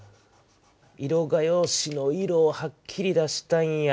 色画用紙の色をはっきり出したいんや。